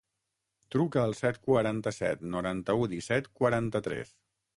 Truca al set, quaranta-set, noranta-u, disset, quaranta-tres.